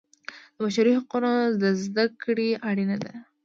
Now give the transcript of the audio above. د بشري حقونو زده کړه اړینه ده.